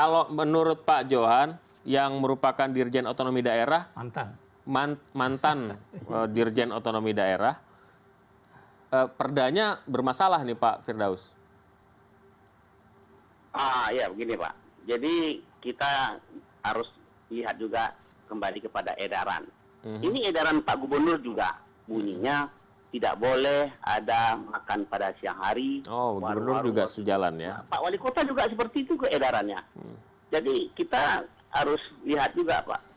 himbauan sebelum puasa kita kirim edaran kita kunjung